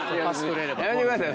やめてください